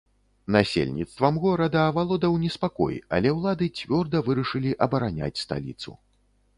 Насельніцтвам горада авалодаў неспакой, але ўлады цвёрда вырашылі абараняць сталіцу.